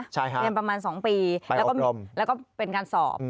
เรียนประมาณ๒ปีแล้วก็เป็นการสอบ